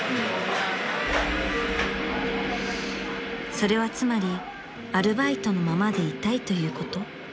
［それはつまりアルバイトのままでいたいということ？］